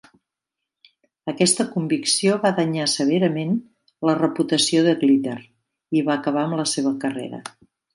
Aquesta convicció va danyar severament la reputació de Glitter i va acabar amb la seva carrera.